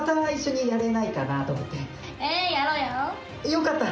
よかった。